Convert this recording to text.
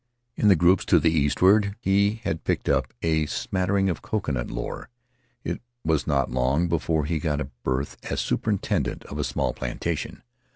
In the groups to the eastward he had picked up a smat tering of coconut lore; it was not long before he got a berth as superintendent of a small plantation.